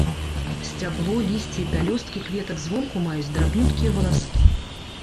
Сцябло, лісце і пялёсткі кветак звонку маюць драбнюткія валаскі.